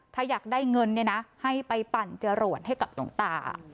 ถ้าอยากได้เงินเนี่ยนะให้ไปปั่นจรวดให้กับหลวงตา